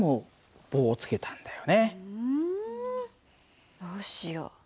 うんどうしよう。